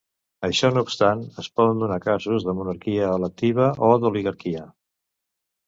Això no obstant, es poden donar casos de monarquia electiva o d'oligarquia.